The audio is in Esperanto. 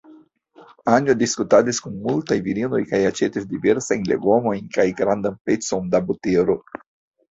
Anjo diskutadis kun multaj virinoj kaj aĉetis diversajn legomojn kaj grandan pecon da butero.